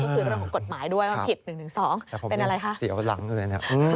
ก็คือเรื่องของกฎหมายด้วยว่าผิดหนึ่งสองเป็นอะไรคะแต่ผมยังเสียวหลังดูเลยนะฮะ